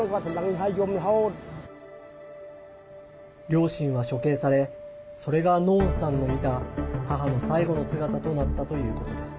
両親は処刑されそれがノーンさんの見た母の最後の姿となったということです。